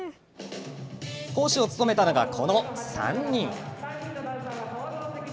講師を務めたのがこの３人。